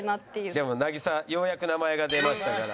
でも渚ようやく名前が出ましたから。